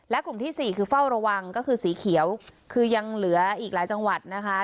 และกลุ่มที่สี่คือเฝ้าระวังก็คือสีเขียวคือยังเหลืออีกหลายจังหวัดนะคะ